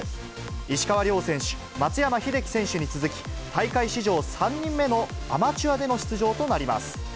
石川遼選手、松山英樹選手に続き、大会史上３人目のアマチュアでの出場となります。